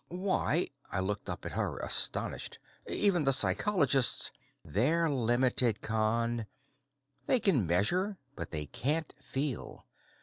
"Why," I looked up at her, astonished, "even the psychologists " "They're limited, Con. They can measure, but they can't feel.